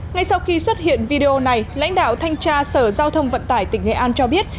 ngay sau khi xuất hiện video này lãnh đạo thanh tra sở giao thông vận tải tỉnh nghệ an cho biết